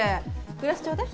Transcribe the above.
グラスちょうだい。